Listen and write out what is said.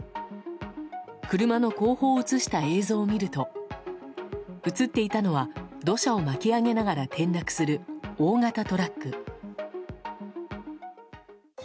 車の後方を映した映像を見ると映っていたのは土砂を巻き上げながら転落する大型トラック。